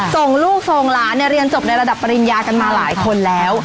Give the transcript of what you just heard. ส่งลูกส่งหลานเรียนจบในระดับปริญญากันมาหลายคนแล้ว